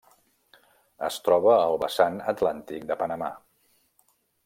Es troba al vessant atlàntic de Panamà.